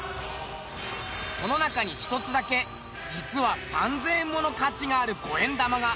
この中に１つだけ実は３０００円もの価値がある５円玉が。